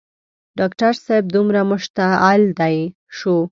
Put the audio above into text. ډاکټر صاحب دومره مشتعل شو.